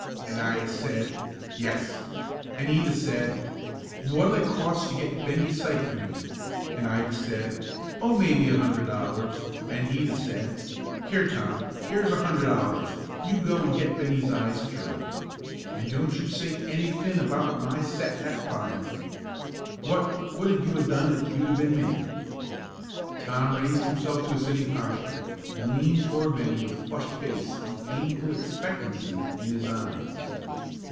an' I'd 'a' said, 'Yes,' an' he'd 'a' said, 'What'll it cost to get Bennie's sight for him?' an' I'd 'a' said, 'Oh, maybe a hundred dollars,' an' he'd 'a' said, 'Here, Tom, here's a hundred dollars; you go an' get Bennie's eyes cured; an' don't you say any thin' about my settin' that fire.' What what'd you 'a' done if you'd 'a' been me?" Tom raised himself to a sitting posture, and leaned toward Bennie, with flushed face and painful expectancy in his eyes.